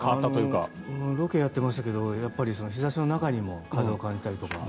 ロケやってましたけど日差しの中にも風を感じたり。